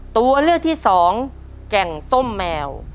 ตัวเลือกที่สองแก่งส้มแมว